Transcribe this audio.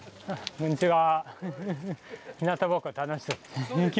こんにちは。